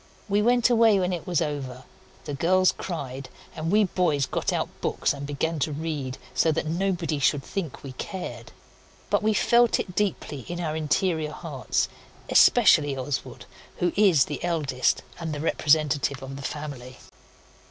We went away when it was over. The girls cried, and we boys got out books and began to read, so that nobody should think we cared. But we felt it deeply in our interior hearts, especially Oswald, who is the eldest and the representative of the family.